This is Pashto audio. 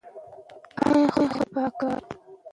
هغه د خپل وخت یو عادل پاچا و.